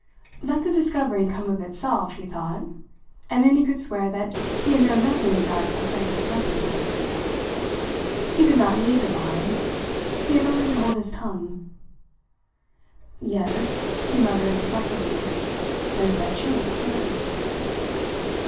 Let the discovery come of itself, he thought, and then he could swear that he had known nothing of that offensive presence. He did not need to lie. He had only to hold his tongue. "Yes," he muttered reflectively, "there's that Chink, certainly."